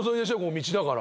道だから。